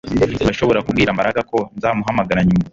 Urashobora kubwira Mbaraga ko nzamuhamagara nyuma